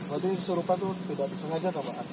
waktu kesurupan itu tidak disengaja atau apa